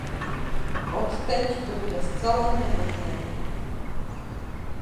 Odteď to bude zcela nemožné.